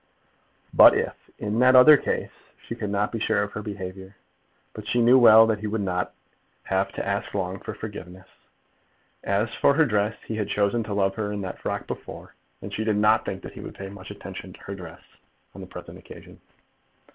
But if In that other case she could not be sure of her behaviour, but she knew well that he would not have to ask long for forgiveness. As for her dress, he had chosen to love her in that frock before, and she did not think that he would pay much attention to her dress on the present occasion.